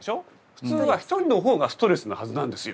普通はひとりのほうがストレスなはずなんですよ。